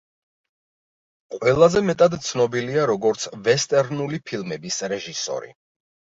ყველაზე მეტად ცნობილია, როგორც ვესტერნული ფილმების რეჟისორი.